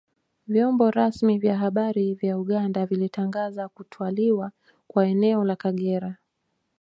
Vyombo rasmi vya habari vya Uganda vilitangaza kutwaliwa kwa eneo la Kagera